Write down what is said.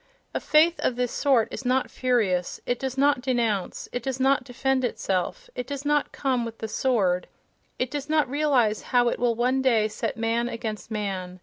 A faith of this sort is not furious, it does not de nounce, it does not defend itself: it does not come with "the sword"—it does not realize how it will one day set man against man.